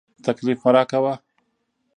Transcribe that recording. تکليف مه راکوه.